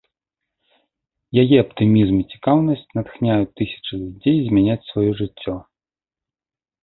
Яе аптымізм і цікаўнасць натхняюць тысячы людзей змяняць сваё жыццё.